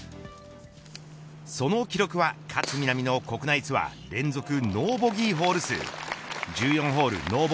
その記録は勝みなみの国内ツアー連続ノーボギーホール数。